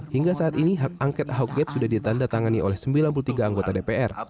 hingga saat ini hak angket ahok gate sudah ditanda tangani oleh sembilan puluh tiga anggota dpr